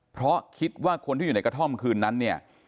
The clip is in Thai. เพราะคิดว่าคนที่อยู่ในกระท่อมคืนนั้นเนี่ย